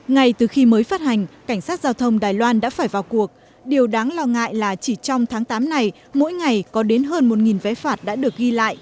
ngay từ khi mới phát hành cảnh sát giao thông đài loan đã phải vào cuộc điều đáng lo ngại là chỉ trong tháng tám này mỗi ngày có đến hơn một vé phạt đã được ghi lại